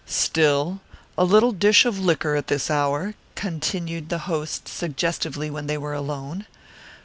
"Still, a little dish of liquor at this hour," continued the host suggestively when they were alone.